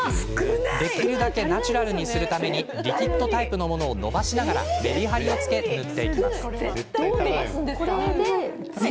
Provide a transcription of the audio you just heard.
できるだけナチュラルにするためにリキッドタイプのものを伸ばしながら、メリハリをつけて塗っていきます。